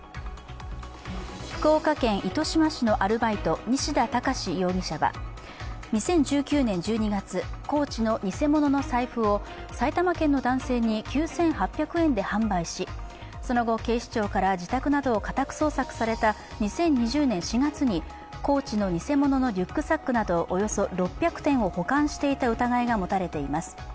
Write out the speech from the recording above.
福岡県糸島市のアルバイト西田耕司容疑者は２０１９年１２月、ＣＯＡＣＨの偽物の財布を埼玉県の男性に９８００円で販売し、その後、警視庁から自宅などを家宅捜索された２０２０年４月にＣＯＡＣＨの偽物のリュックサックなどおよそ６００点を保管していた疑いが持たれています。